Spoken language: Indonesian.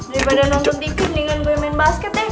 daripada nonton tv dengan gue main basket deh